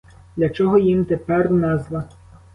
Для чого їм тепер назва?